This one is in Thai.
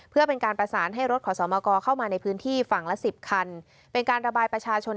เพื่อเป็นการประสานให้รถขอสมกรเข้ามาในพื้นที่ฝั่งละ๑๐คัน